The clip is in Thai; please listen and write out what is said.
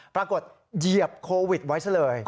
ปรากฏเหยียบโควิดไว้ซะเลย